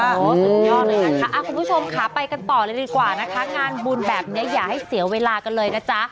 โอ้โหสุดยอดเลยนะคะคุณผู้ชมค่ะไปกันต่อเลยดีกว่านะคะงานบุญแบบนี้อย่าให้เสียเวลากันเลยนะจ๊ะ